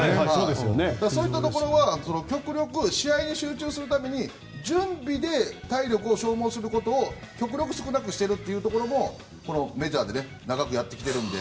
そういったところは極力試合に集中するために準備で体力を消耗することを極力少なくしているところもメジャーで長くやってきているので。